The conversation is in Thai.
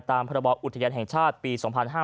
ตามพบอุทยานแห่งชาติปี๒๕๕๙